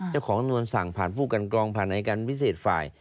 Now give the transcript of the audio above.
จำนวนสั่งผ่านผู้กันกรองผ่านอายการพิเศษฝ่าย